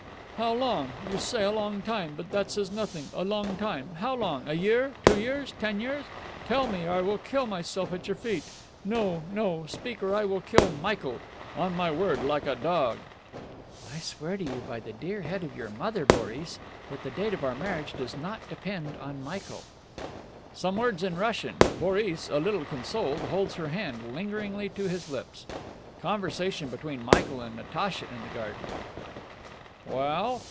"How long? You say a long time? But that says nothing a long time. How long? A year? Two years? Ten years? Tell me, or I will kill myself at your feet. No, no; speak or I will kill Michael. On my word! Like a dog!" "I swear to you, by the dear head of your mother, Boris, that the date of our marriage does not depend on Michael." (Some words in Russian. Boris, a little consoled, holds her hand lingeringly to his lips.) Conversation between Michael and Natacha in the garden: "Well?